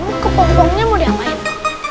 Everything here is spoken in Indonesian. sun kamu ke pongpongnya mau diamain